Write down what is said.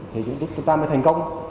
thì chúng ta mới thành công